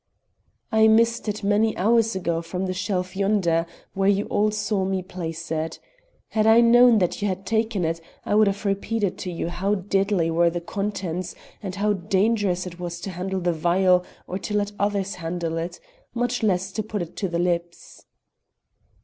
"I missed it many hours ago, from the shelf yonder where you all saw me place it. Had I known that you had taken it, I would have repeated to you how deadly were the contents, and how dangerous it was to handle the vial or to let others handle it, much less to put it to the lips."